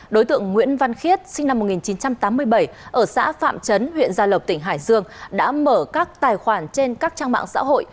đối tượng nguyễn văn khiết sinh năm một nghìn chín trăm tám mươi bảy ở xã phạm trấn huyện gia lộc tỉnh hải dương đã mở các tài khoản trên các trang mạng xã hội